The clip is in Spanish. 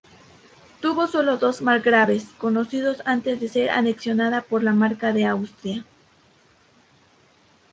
Tuvo solo dos margraves conocidos antes de ser anexionada por la Marca de Austria.